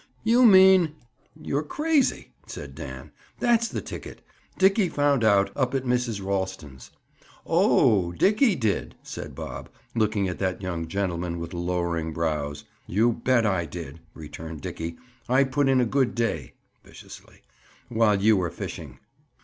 "You mean—?" "You're crazy," said Dan. "That's the ticket. Dickie found out, up at Mrs. Ralston's." "Oh, Dickie did?" said Bob, looking at that young gentleman with lowering brows. "You bet I did," returned Dickie. "I put in a good day," viciously, "while you were fishing."